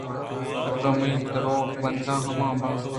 اگاں من درٛوگ بند مہ باں